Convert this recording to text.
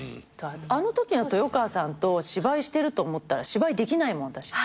あのときの豊川さんと芝居してると思ったら芝居できないもん私。